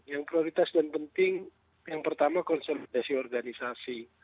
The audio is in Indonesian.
yang prioritas dan penting yang pertama konsolidasi organisasi